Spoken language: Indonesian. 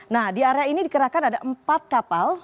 nah di area ini dikerahkan ada empat kapal